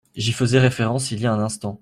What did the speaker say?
J’y faisais référence il y a un instant.